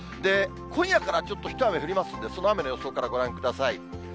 今夜からちょっと一雨降りますんで、その雨の予想からご覧ください。